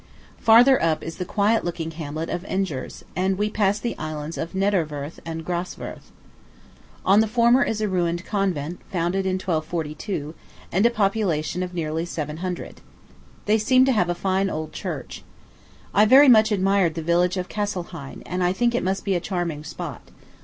Farther up is the quiet looking hamlet of Engers; and we pass the islands of Niederwörth and Graswörth. On the former is a ruined convent, founded in 1242, and a population of nearly seven hundred. They seem to have a fine old church. I very much admired the village of Kesselhein, and I think it must be a charming spot.